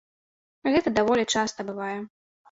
Гэта даволі часта бывае.